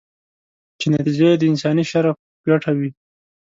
چې نتیجه یې د انساني شرف ګټه وي.